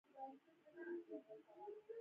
احمد په کلي کې اور ګډ کړ او ولاړ.